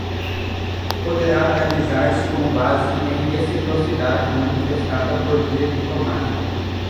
poderá realizar-se com base em reciprocidade, manifestada por via diplomática.